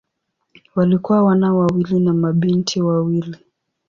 Walikuwa wana wawili na mabinti wawili.